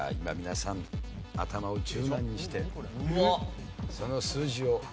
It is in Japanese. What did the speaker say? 今皆さん頭を柔軟にしてその数字を。